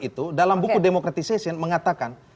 itu dalam buku demokratization mengatakan